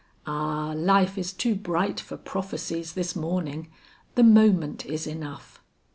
"Ah, life is too bright for prophesies this morning. The moment is enough."